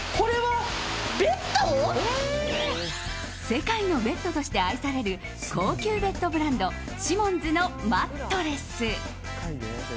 世界のベッドとして愛される高級ベッドブランドシモンズのマットレス。